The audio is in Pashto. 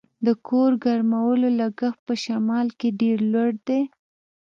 د کور ګرمولو لګښت په شمال کې ډیر لوړ دی